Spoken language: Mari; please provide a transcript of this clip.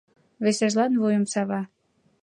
Весыжлан вуйым сава.